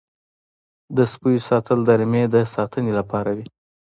د سپیو ساتل د رمې د ساتنې لپاره وي.